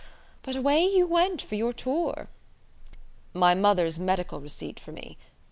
.. but away you went for your tour." "My mother's medical receipt for me.